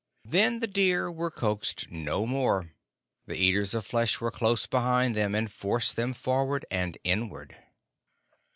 Then the deer were coaxed no more. The Eaters of Flesh were close behind them, and forced them forward and inward.